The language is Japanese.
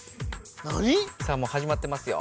なに⁉さあもうはじまってますよ。